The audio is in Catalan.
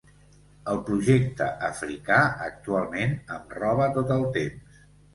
El projecte africà actualment em roba tot el temps.